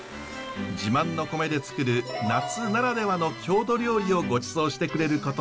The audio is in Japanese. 自慢の米でつくる夏ならではの郷土料理をごちそうしてくれることに。